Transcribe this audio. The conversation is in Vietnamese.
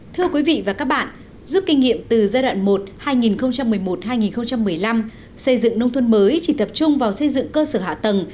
thưa quý vị và các bạn giúp kinh nghiệm từ giai đoạn một hai nghìn một mươi một hai nghìn một mươi năm xây dựng nông thôn mới chỉ tập trung vào xây dựng cơ sở hạ tầng